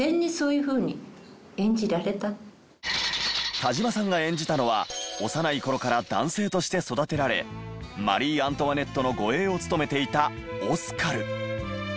田島さんが演じたのは幼い頃から男性として育てられマリー・アントワネットの護衛を務めていたオスカル。